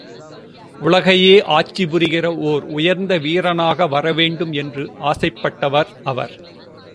உலகையே ஆட்சி புரிகிற ஓர் உயர்ந்த வீரனாக வரவேண்டும் என்று ஆசைப்பட்டவர் அவர்.